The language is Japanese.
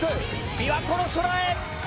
琵琶湖の空へ！